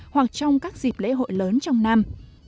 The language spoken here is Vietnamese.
hoặc trong các dịp lễ hội lớn trong năm